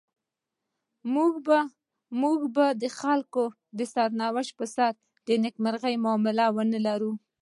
موږ به د خلکو د سرنوشت پر سر د نيکمرغۍ معامله ونلرو.